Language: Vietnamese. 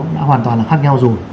đã hoàn toàn là khác nhau rồi